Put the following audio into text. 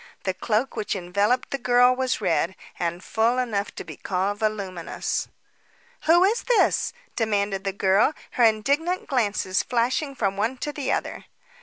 The cloak which enveloped the girl was red, and full enough to be called voluminous. "Who is this?" demanded the girl, her indignant glances flashing from one to the other.